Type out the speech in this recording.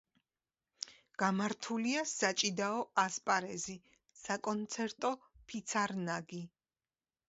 გამართულია საჭიდაო ასპარეზი, საკონცერტო ფიცარნაგი.